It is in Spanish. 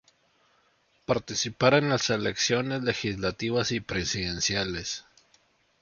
Participan en las elecciones legislativas y presidenciales.